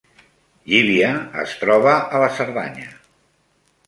Llívia es troba a la Cerdanya